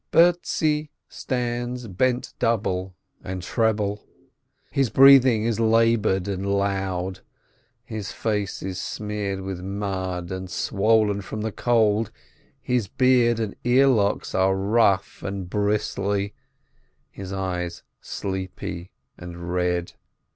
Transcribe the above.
Bertzi stands bent double and treble. His breathing is labored and loud, his face is smeared with mud and swollen from the cold, his beard and earlocks are rough and bristly, his eyes sleepy and red.